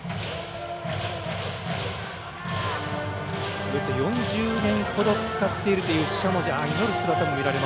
およそ４０年ほど使っているというしゃもじ。